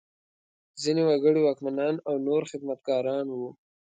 ځینې وګړي واکمنان او نور خدمتګاران وو.